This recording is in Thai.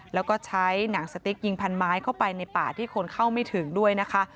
แล้วก็ใช้หนังสติ๊กยิงพันไม้เข้าไปในป่าที่คนเข้าไม่ถึงด้วยนะคะ